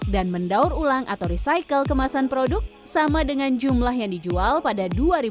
dan mendaur ulang atau recycle kemasan produk sama dengan jumlah yang dijual pada dua ribu tiga puluh